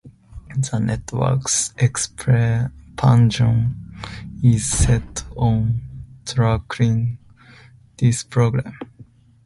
The network's expansion is set on tackling this problem.